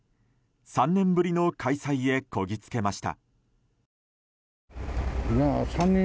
３年ぶりの開催へこぎつけました。